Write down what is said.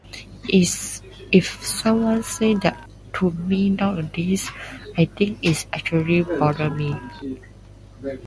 If someone said that to me nowadays I think it’d actually bother me.